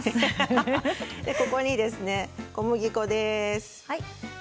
ここに小麦粉です。